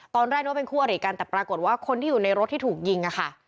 ตอนแรกนึกว่าเป็นคู่อริกันแต่ปรากฏว่าคนที่อยู่ในรถที่ถูกยิงอะค่ะ